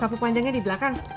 sampuk panjangnya di belakang